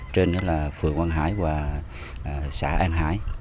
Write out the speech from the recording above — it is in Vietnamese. trên phường quang hải và xã an hải